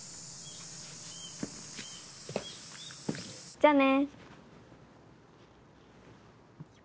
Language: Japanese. じゃあね。